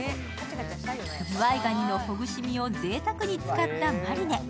ずわいがにのほぐし身をぜいたくに使ったマリネ。